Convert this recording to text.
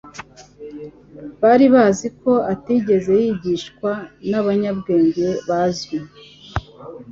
Bari bazi ko atigeze yigishwa n'abanyabwenge bazwi,